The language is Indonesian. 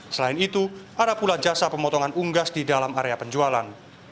selain itu ada pula jasa pemotongan unggas di dalam area penjualan